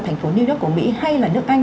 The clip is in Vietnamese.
thành phố new york của mỹ hay là nước anh